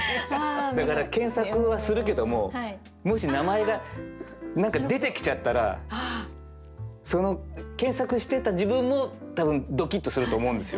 だから検索はするけどももし名前が出てきちゃったらその検索していた自分も多分ドキッとすると思うんですよね。